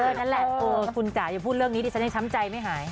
นั่นแหละคุณจ๋าอย่าพูดเรื่องนี้ดิฉันยังช้ำใจไม่หาย